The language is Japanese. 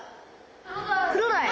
クロダイ！